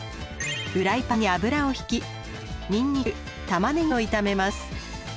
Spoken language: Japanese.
フライパンに油を引きにんにくたまねぎを炒めます。